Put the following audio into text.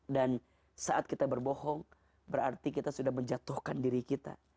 dan saat kita berbohong berarti kita sudah menjatuhkan diri kita